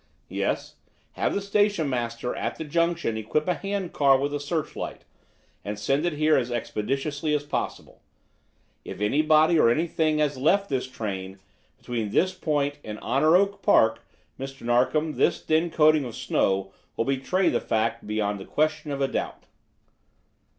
"Yes. Have the station master at the junction equip a hand car with a searchlight, and send it here as expeditiously as possible. If anybody or anything has left this train between this point and Honor Oak Park, Mr. Narkom, this thin coating of snow will betray the fact beyond the question of a doubt."